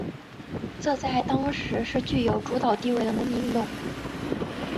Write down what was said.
这在当时是具有主导地位的农民运动。